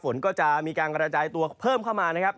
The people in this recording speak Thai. ฝนก็จะมีการกระจายตัวเพิ่มเข้ามานะครับ